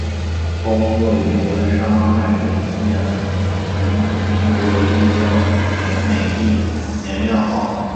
后工作于德商爱礼司洋行宁波经销行美益颜料号。